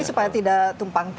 ini supaya tidak tumpang tindih